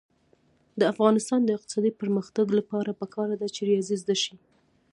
د افغانستان د اقتصادي پرمختګ لپاره پکار ده چې ریاضي زده شي.